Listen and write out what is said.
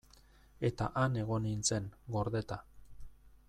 Eta han egon nintzen, gordeta.